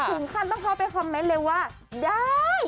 ถึงขั้นต้องเข้าไปคอมเมนต์เลยว่าได้